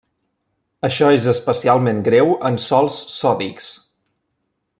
Això és especialment greu en sòls sòdics.